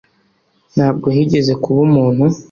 Ntabwo higeze kuba umuntu